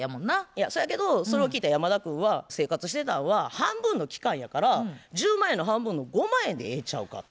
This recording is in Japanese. そやけどそれを聞いた山田君は生活してたんは半分の期間やから１０万円の半分の５万円でええんちゃうかと。